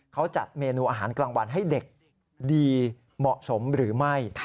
เขาจัดเมนูอาหารกลางวันให้เด็กดีเหมาะสมหรือไม่